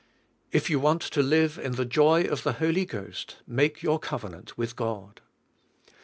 If yo\x want to live in the jo}^ of the H0I3' Ghost make youi covenant with God.